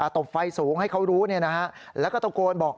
ตบไฟสูงให้เขารู้แล้วก็ตะโกนบอก